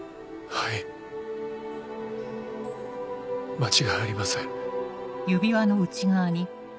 間違いありません。